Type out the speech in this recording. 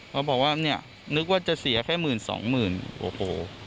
เขาบอกว่าเนี่ยนึกว่าจะเสียแค่หมื่นสองหมื่นโอ้โห